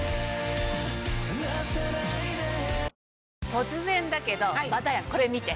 突然だけどバタやんこれ見て。